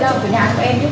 anh không cầm được